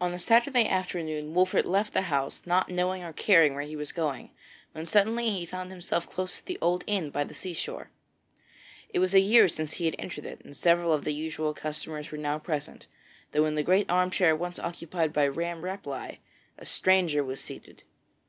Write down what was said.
On a Saturday afternoon Wolfert left the house not knowing or caring where he was going, when suddenly he found himself close to the old inn by the sea shore. It was a year since he had entered it, and several of the usual customers were now present, though in the great armchair once occupied by Ramm Rapelye a stranger was seated.